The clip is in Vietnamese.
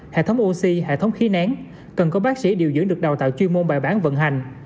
hệ thống oxy hệ thống khí nén cần có bác sĩ điều dưỡng được đào tạo chuyên môn bài bán vận hành